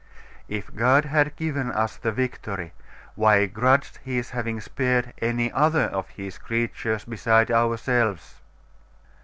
'If God have given us the victory, why grudge His having spared any other of His creatures besides ourselves?